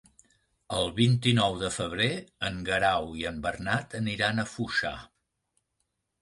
El vint-i-nou de febrer en Guerau i en Bernat aniran a Foixà.